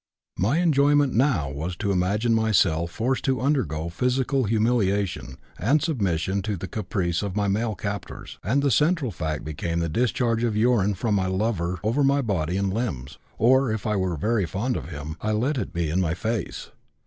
My enjoyment now was to imagine myself forced to undergo physical humiliation and submission to the caprice of my male captors, and the central fact became the discharge of urine from my lover over my body and limbs, or, if I were very fond of him, I let it be in my face.